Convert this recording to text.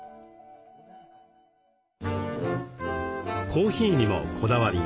コーヒーにもこだわりが。